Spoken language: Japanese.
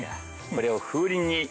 これを風鈴に。